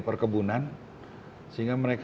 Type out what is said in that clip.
perkebunan sehingga mereka